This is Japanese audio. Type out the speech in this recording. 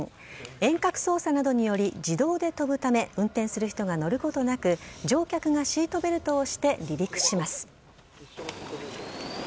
遠隔操作などにより自動で飛ぶため運転する人が乗ることなく乗客がシートベルトをして離陸します。